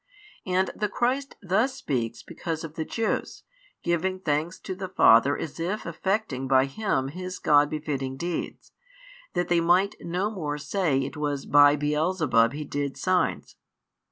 And the Christ thus speaks because of the Jews, giving thanks to the Father as if effecting by Him His God befitting deeds, that they might no more say it was by Beelzebub He did signs.